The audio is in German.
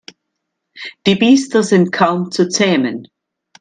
Die Biester sind kaum zu zähmen.